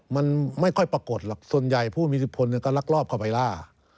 มันไม่ค่อยปรากฏหรอกส่วนใหญ่ผู้มีอิทธิพลก็ลักลอบเข้าไปล่า